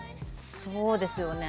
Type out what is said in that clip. そうですよね。